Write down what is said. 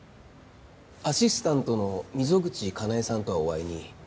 アシスタントの溝口カナエさんとはお会いに？